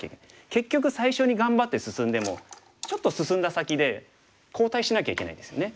結局最初に頑張って進んでもちょっと進んだ先で後退しなきゃいけないですよね。